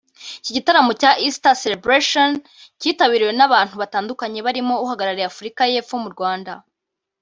Iki gitaramo cya Easter Celebration cyitabiriwe n’abantu batandukanye barimo uhagarariye Afurika y’Epfo mu Rwanda